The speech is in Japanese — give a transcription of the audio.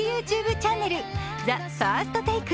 チャンネル・ＴＨＥＦＩＲＳＴＴＡＫＥ。